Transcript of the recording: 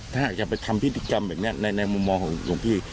ถ้าหากจะไปทำพิธีกรรมแบบนี้ในมุมมองของหลวงพี่